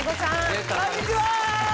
こんにちは！